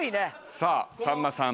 さあさんまさん